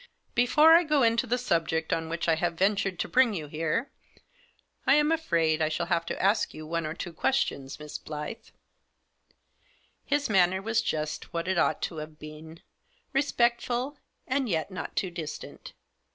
"Before I go into the subject on which I have ventured to bring you here, I am afraid I shall have to ask you one or two questions, Miss Blyth." His manner was just what it ought to have been, respectful, and yet not too distant.